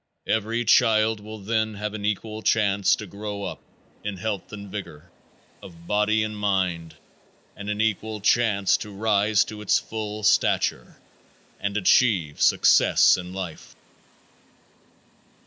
Every child will then have an equal chance to grow up in health and vigor of body and mind and an equal chance to rise to its full stature and achieve success in life.